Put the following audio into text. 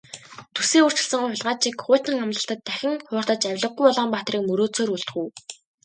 Зүсээ өөрчилсөн хулгайч шиг хуучин амлалтад дахин хууртаж авлигагүй Улаанбаатарыг мөрөөдсөөр үлдэх үү?